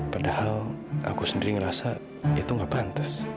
padahal aku sendiri ngerasa itu gak pantas